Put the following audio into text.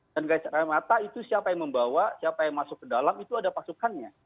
dan gas air mata itu siapa yang membawa siapa yang masuk ke dalam itu ada pasukannya